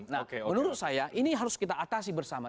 nah menurut saya ini harus kita atasi bersama